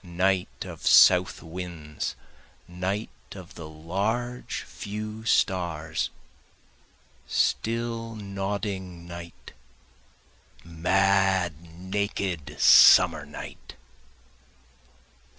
Night of south winds night of the large few stars! Still nodding night mad naked summer night.